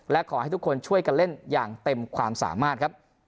และขอให้ทุกคนช่วยกันเล่นอย่างเต็มความสามารถครับ